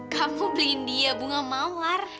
kamu beliin dia bunga mawar